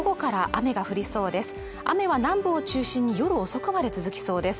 雨は南部を中心に夜遅くまで続きそうです